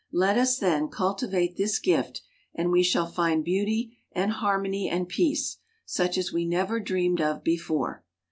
Let us, then, cultivate this gift, and we shall find beauty and harmony and peace, such as we never dreamed of before.